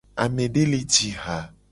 Amede le ji ha.